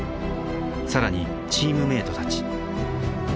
更にチームメートたち。